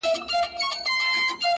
چي د تاج دي سو دښمن مرګ یې روا دی!!